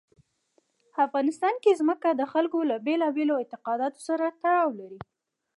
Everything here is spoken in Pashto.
افغانستان کې ځمکه د خلکو له بېلابېلو اعتقاداتو سره تړاو لري.